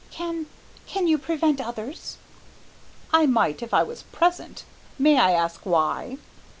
"Can can you prevent others?" "I might if I was present. May I ask why?"